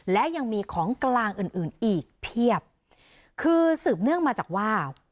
และยังมีของกลางอื่นอื่นอีกเพียบคือสืบเนื่องมาจากว่า